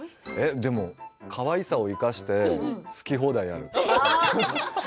かわいさを生かして好き放題やる。